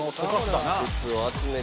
鉄を集めて。